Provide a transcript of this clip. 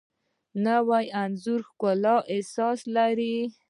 نوی انځور ښکلی احساس لري